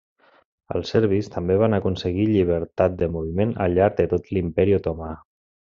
Els serbis també van aconseguir llibertat de moviment al llarg de tot l'Imperi Otomà.